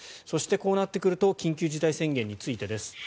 そしてこうなってくると緊急事態宣言についてです。